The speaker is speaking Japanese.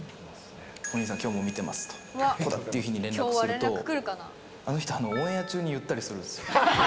お兄さん、きょうも見てますと、ここだっていう日に連絡すると、あの人、オンエア中に言ったりするんですよ。